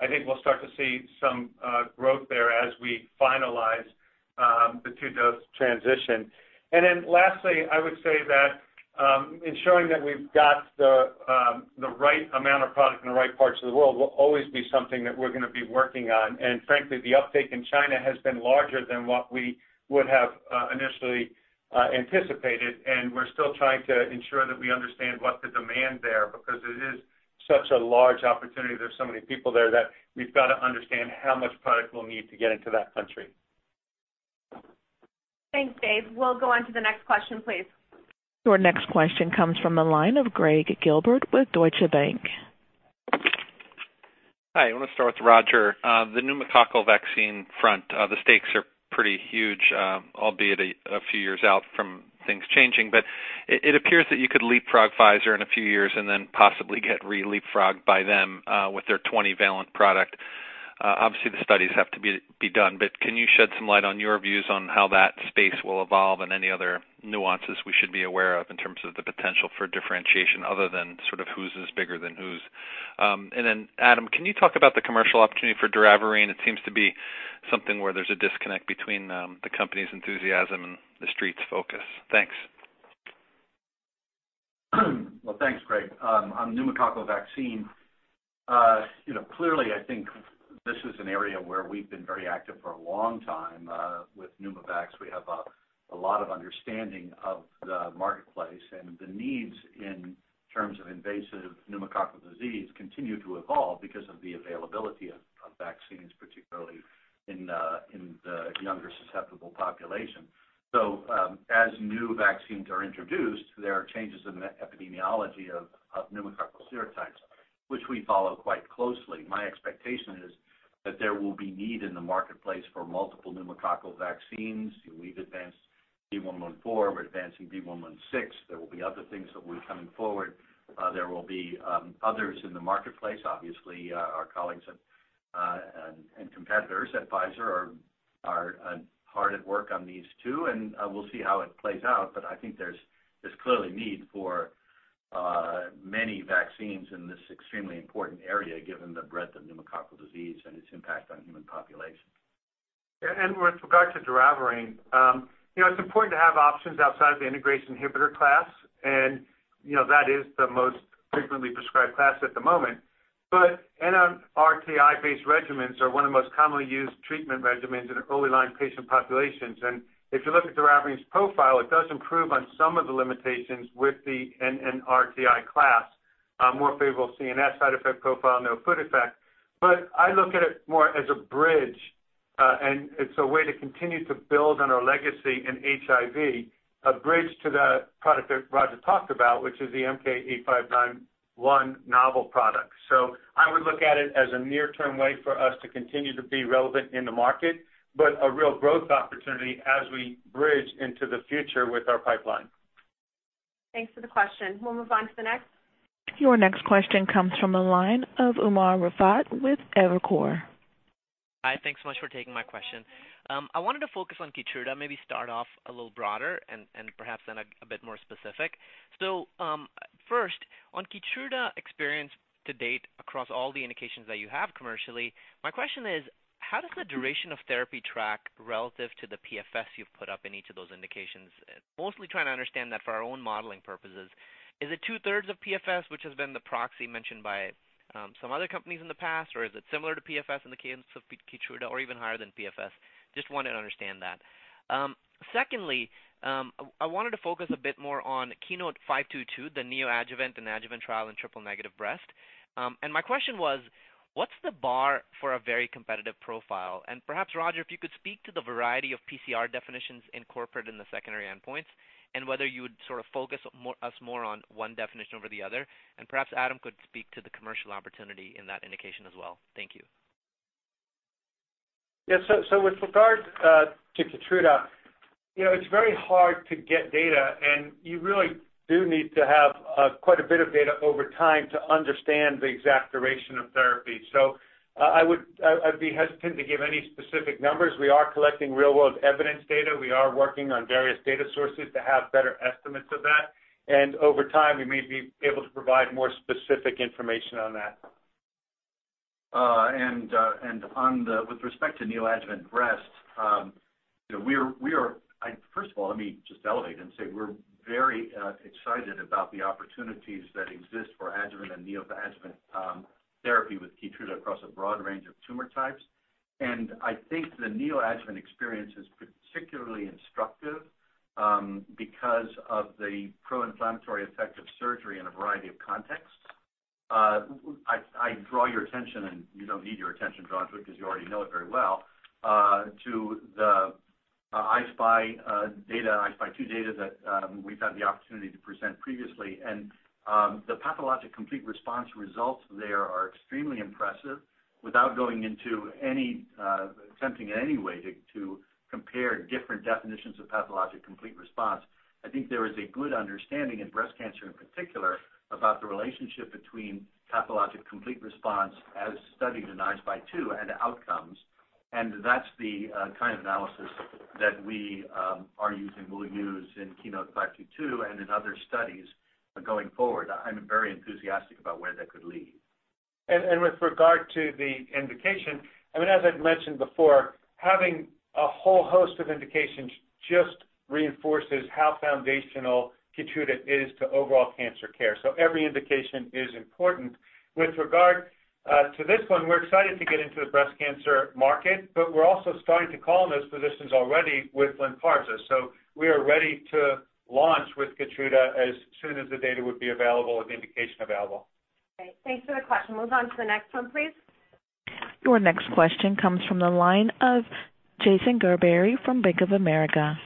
I think we'll start to see some growth there as we finalize the 2-dose transition. Lastly, I would say that ensuring that we've got the right amount of product in the right parts of the world will always be something that we're going to be working on. Frankly, the uptake in China has been larger than what we would have initially anticipated. We're still trying to ensure that we understand what the demand there, because it is such a large opportunity. There's so many people there that we've got to understand how much product we'll need to get into that country. Thanks, Dave. We'll go on to the next question, please. Your next question comes from the line of Gregory Gilbert with Deutsche Bank. Hi, I want to start with Roger. The pneumococcal vaccine front, the stakes are pretty huge, albeit a few years out from things changing. It appears that you could leapfrog Pfizer in a few years and then possibly get re-leapfrogged by them with their 20-valent product. Obviously, the studies have to be done, but can you shed some light on your views on how that space will evolve and any other nuances we should be aware of in terms of the potential for differentiation other than sort of whose is bigger than whose? Adam, can you talk about the commercial opportunity for doravirine? It seems to be something where there's a disconnect between the company's enthusiasm and the street's focus. Thanks. Well, thanks, Greg. On pneumococcal vaccine, clearly, I think this is an area where we've been very active for a long time with Pneumovax. We have a lot of understanding of the marketplace and the needs in terms of invasive pneumococcal disease continue to evolve because of the availability of vaccines, particularly in the younger susceptible population. As new vaccines are introduced, there are changes in the epidemiology of pneumococcal serotypes, which we follow quite closely. My expectation is that there will be need in the marketplace for multiple pneumococcal vaccines. We've advanced V114. We're advancing V116. There will be other things that will be coming forward. There will be others in the marketplace. Obviously, our colleagues and competitors at Pfizer are hard at work on these too, and we'll see how it plays out. I think there's clearly need for many vaccines in this extremely important area, given the breadth of pneumococcal disease and its impact on human populations. With regard to doravirine, it's important to have options outside of the integration inhibitor class, and that is the most frequently prescribed class at the moment. NNRTI-based regimens are one of the most commonly used treatment regimens in early line patient populations. If you look at doravirine's profile, it does improve on some of the limitations with the NNRTI class, more favorable CNS side effect profile, no food effect. I look at it more as a bridge, and it's a way to continue to build on our legacy in HIV, a bridge to the product that Roger talked about, which is the MK-8591 novel product. I would look at it as a near-term way for us to continue to be relevant in the market, but a real growth opportunity as we bridge into the future with our pipeline. Thanks for the question. We'll move on to the next. Your next question comes from the line of Umer Raffat with Evercore. Hi, thanks so much for taking my question. I wanted to focus on KEYTRUDA, maybe start off a little broader and perhaps then a bit more specific. First, on KEYTRUDA experience to date across all the indications that you have commercially, my question is, how does the duration of therapy track relative to the PFS you've put up in each of those indications? Mostly trying to understand that for our own modeling purposes. Is it two-thirds of PFS, which has been the proxy mentioned by some other companies in the past, or is it similar to PFS in the case of KEYTRUDA, or even higher than PFS? Just wanted to understand that. Secondly, I wanted to focus a bit more on KEYNOTE-522, the neoadjuvant and adjuvant trial in triple-negative breast. My question was, what's the bar for a very competitive profile? Perhaps, Roger, if you could speak to the variety of pCR definitions incorporated in the secondary endpoints and whether you would sort of focus us more on one definition over the other. Perhaps Adam could speak to the commercial opportunity in that indication as well. Thank you. Yeah. With regard to KEYTRUDA, it's very hard to get data, you really do need to have quite a bit of data over time to understand the exact duration of therapy. I'd be hesitant to give any specific numbers. We are collecting real-world evidence data. We are working on various data sources to have better estimates of that. Over time, we may be able to provide more specific information on that. With respect to neoadjuvant breast, first of all, let me just elevate and say we're very excited about the opportunities that exist for adjuvant and neoadjuvant therapy with KEYTRUDA across a broad range of tumor types. I think the neoadjuvant experience is particularly instructive because of the pro-inflammatory effect of surgery in a variety of contexts. I draw your attention, and you don't need your attention drawn to it because you already know it very well, to the I-SPY 2 data that we've had the opportunity to present previously. The pathologic complete response results there are extremely impressive. Without attempting in any way to compare different definitions of pathologic complete response, I think there is a good understanding in breast cancer in particular about the relationship between pathologic complete response as studied in I-SPY 2 and outcomes, and that's the kind of analysis that we are using, will use in KEYNOTE-522 and in other studies going forward. I'm very enthusiastic about where that could lead. With regard to the indication, as I've mentioned before, having a whole host of indications just reinforces how foundational KEYTRUDA is to overall cancer care. Every indication is important. With regard to this one, we're excited to get into the breast cancer market, but we're also starting to call on those physicians already with LYNPARZA. We are ready to launch with KEYTRUDA as soon as the data would be available and indication available. Great. Thanks for the question. Move on to the next one, please. Your next question comes from the line of Jason Gerberry from Bank of America.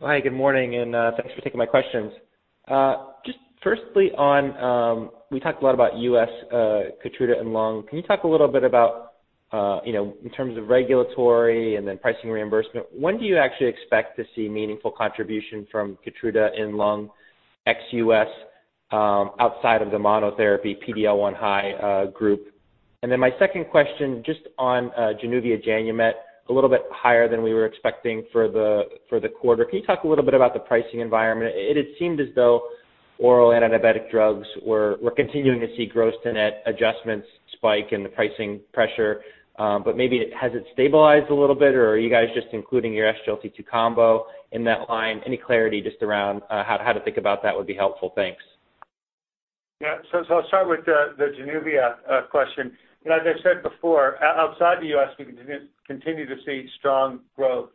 Hi, good morning, and thanks for taking my questions. Just firstly, we talked a lot about U.S. KEYTRUDA and lung. Can you talk a little bit about, in terms of regulatory and then pricing reimbursement, when do you actually expect to see meaningful contribution from KEYTRUDA in lung ex-U.S. outside of the monotherapy PD-L1 high group? My second question, just on Januvia Janumet, a little bit higher than we were expecting for the quarter. Can you talk a little bit about the pricing environment? It had seemed as though oral antidiabetic drugs were continuing to see gross-to-net adjustments spike and the pricing pressure. Maybe has it stabilized a little bit, or are you guys just including your SGLT2 combo in that line? Any clarity just around how to think about that would be helpful. Thanks. I'll start with the Januvia question. As I said before, outside the U.S., we continue to see strong growth.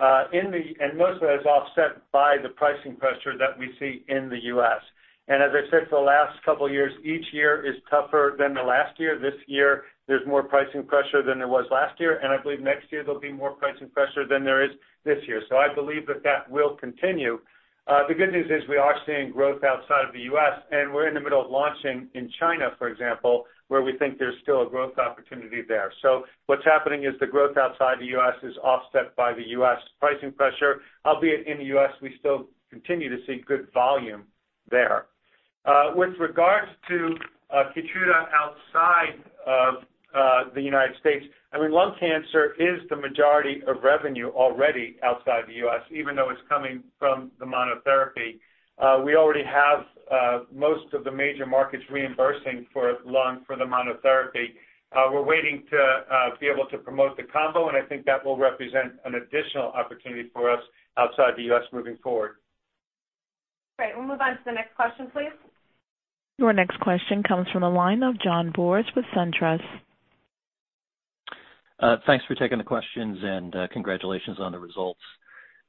Most of that is offset by the pricing pressure that we see in the U.S. As I said for the last couple of years, each year is tougher than the last year. This year, there's more pricing pressure than there was last year. I believe next year there'll be more pricing pressure than there is this year. I believe that that will continue. The good news is we are seeing growth outside of the U.S. We're in the middle of launching in China, for example, where we think there's still a growth opportunity there. What's happening is the growth outside the U.S. is offset by the U.S. pricing pressure, albeit in the U.S., we still continue to see good volume there. With regards to KEYTRUDA outside of the U.S., lung cancer is the majority of revenue already outside the U.S., even though it's coming from the monotherapy. We already have most of the major markets reimbursing for lung for the monotherapy. We're waiting to be able to promote the combo. I think that will represent an additional opportunity for us outside the U.S. moving forward. Great. We'll move on to the next question, please. Your next question comes from the line of John Boris with SunTrust. Thanks for taking the questions, and congratulations on the results.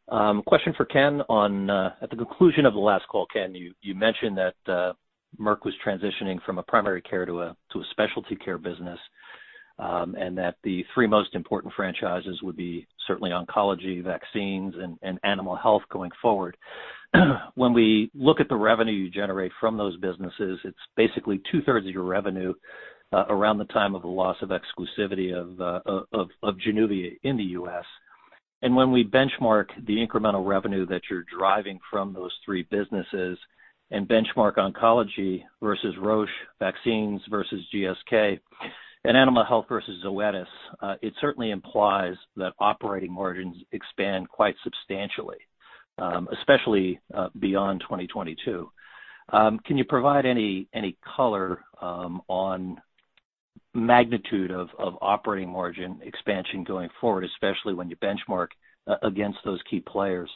Question for Ken. At the conclusion of the last call, Ken, you mentioned that Merck was transitioning from a primary care to a specialty care business, and that the three most important franchises would be certainly oncology, vaccines, and animal health going forward. When we look at the revenue you generate from those businesses, it's basically two-thirds of your revenue around the time of the loss of exclusivity of Januvia in the U.S. When we benchmark the incremental revenue that you're driving from those three businesses and benchmark oncology versus Roche, vaccines versus GSK, and animal health versus Zoetis, it certainly implies that operating margins expand quite substantially, especially beyond 2022. Can you provide any color on magnitude of operating margin expansion going forward, especially when you benchmark against those key players?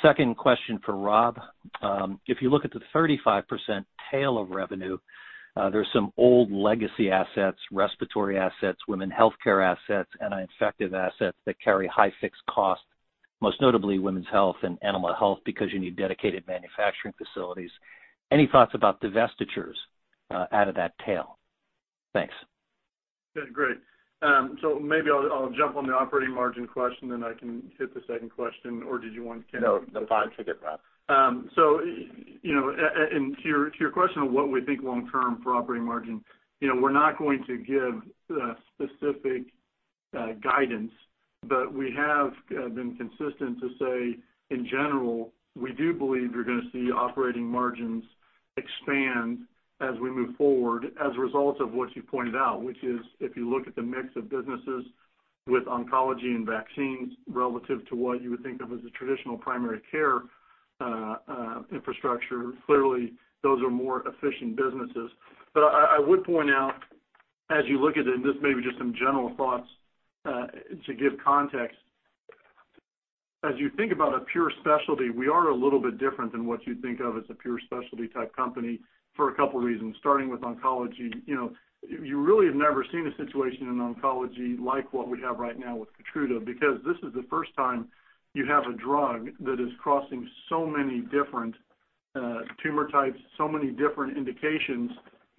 Second question for Rob. If you look at the 35% tail of revenue, there's some old legacy assets, respiratory assets, women's health assets, and infective assets that carry high fixed costs, most notably women's health and animal health, because you need dedicated manufacturing facilities. Any thoughts about divestitures out of that tail? Thanks. Great. Maybe I'll jump on the operating margin question, then I can hit the second question. Or did you want Ken? No, that's fine. You can get Rob. To your question of what we think long term for operating margin, we're not going to give specific guidance, but we have been consistent to say, in general, we do believe you're going to see operating margins expand as we move forward as a result of what you pointed out, which is if you look at the mix of businesses with oncology and vaccines relative to what you would think of as a traditional primary care infrastructure. Clearly, those are more efficient businesses. I would point out, as you look at it, and this may be just some general thoughts to give context. As you think about a pure specialty, we are a little bit different than what you'd think of as a pure specialty type company for a couple reasons, starting with oncology. You really have never seen a situation in oncology like what we have right now with KEYTRUDA, because this is the first time you have a drug that is crossing so many different tumor types, so many different indications.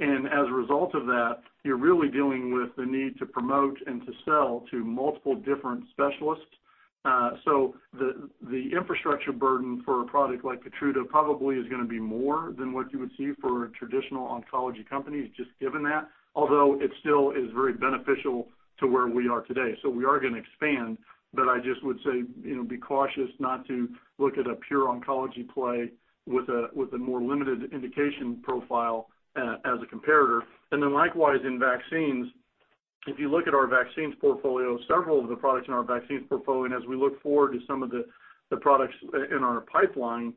As a result of that, you're really dealing with the need to promote and to sell to multiple different specialists. The infrastructure burden for a product like KEYTRUDA probably is going to be more than what you would see for a traditional oncology company, just given that, although it still is very beneficial to where we are today. We are going to expand, I just would say, be cautious not to look at a pure oncology play with a more limited indication profile as a comparator. Likewise, in vaccines, if you look at our vaccines portfolio, several of the products in our vaccines portfolio, and as we look forward to some of the products in our pipeline,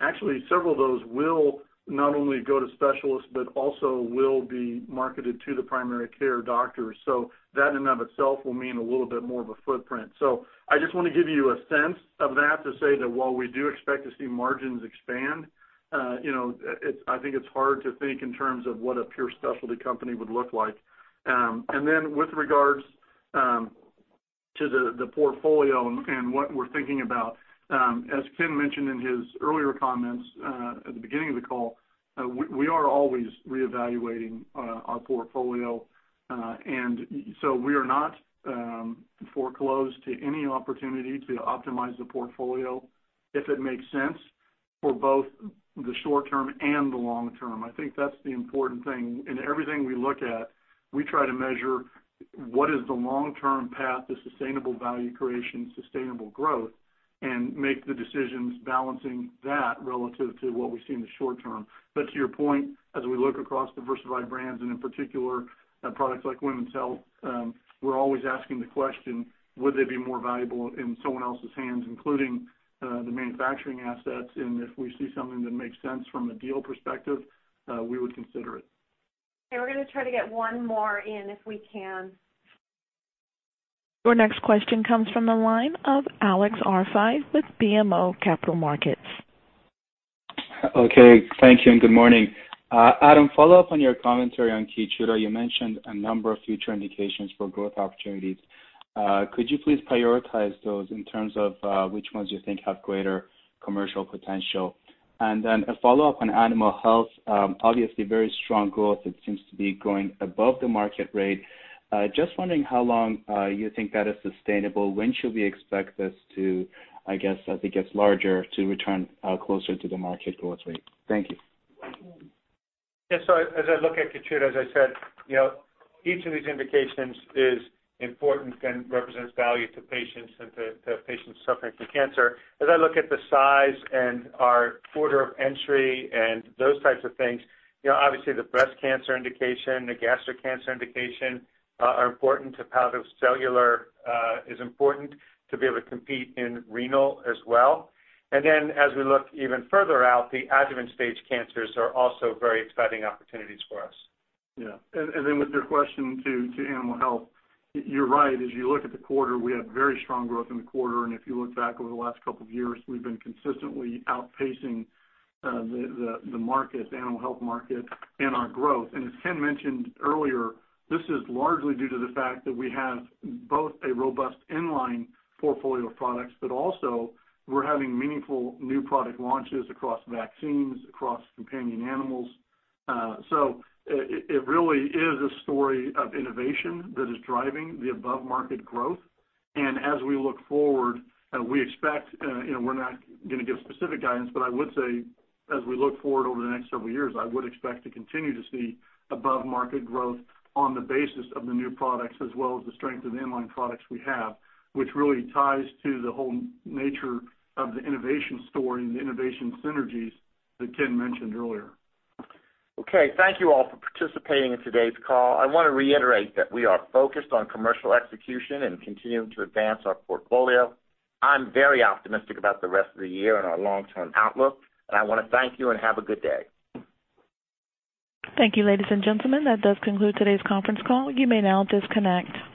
actually several of those will not only go to specialists, but also will be marketed to the primary care doctors. That, in and of itself, will mean a little bit more of a footprint. I just want to give you a sense of that to say that while we do expect to see margins expand, I think it's hard to think in terms of what a pure specialty company would look like. With regards to the portfolio and what we're thinking about, as Ken mentioned in his earlier comments at the beginning of the call, we are always reevaluating our portfolio. We are not foreclosed to any opportunity to optimize the portfolio if it makes sense for both the short term and the long term. I think that's the important thing. In everything we look at, we try to measure what is the long-term path to sustainable value creation, sustainable growth, and make the decisions balancing that relative to what we see in the short term. To your point, as we look across diversified brands and in particular products like women's health, we're always asking the question, would they be more valuable in someone else's hands, including the manufacturing assets? If we see something that makes sense from a deal perspective, we would consider it. We're going to try to get one more in, if we can. Your next question comes from the line of Alex Arfaei with BMO Capital Markets. Thank you, and good morning. Adam, follow up on your commentary on KEYTRUDA. You mentioned a number of future indications for growth opportunities. Could you please prioritize those in terms of which ones you think have greater commercial potential? A follow-up on Animal Health. Obviously very strong growth. It seems to be growing above the market rate. Just wondering how long you think that is sustainable. When should we expect this to, I guess, as it gets larger, to return closer to the market growth rate? Thank you. As I look at KEYTRUDA, as I said, each of these indications is important and represents value to patients and to patients suffering from cancer. As I look at the size and our order of entry and those types of things, obviously the breast cancer indication, the gastric cancer indication are important to hepatocellular, is important to be able to compete in renal as well. As we look even further out, the adjuvant stage cancers are also very exciting opportunities for us. With your question to Animal Health, you're right. As you look at the quarter, we had very strong growth in the quarter. If you look back over the last couple of years, we've been consistently outpacing the market, the Animal Health market, and our growth. As Ken mentioned earlier, this is largely due to the fact that we have both a robust in-line portfolio of products, but also we're having meaningful new product launches across vaccines, across companion animals. It really is a story of innovation that is driving the above-market growth. As we look forward, we're not going to give specific guidance, but I would say as we look forward over the next several years, I would expect to continue to see above-market growth on the basis of the new products as well as the strength of the in-line products we have, which really ties to the whole nature of the innovation story and the innovation synergies that Ken mentioned earlier. Thank you all for participating in today's call. I want to reiterate that we are focused on commercial execution and continuing to advance our portfolio. I'm very optimistic about the rest of the year and our long-term outlook, I want to thank you and have a good day. Thank you, ladies and gentlemen. That does conclude today's conference call. You may now disconnect.